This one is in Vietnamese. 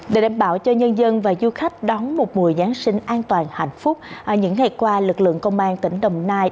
để đảm bảo cho nhân dân và du khách đón một mùa giáng sinh an toàn hạnh phúc những ngày qua lực lượng công an tỉnh đồng nai